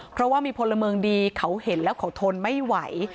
เพราะว่ามีพลเมืองดีเขาเห็นแล้วเขาทนไม่ไหว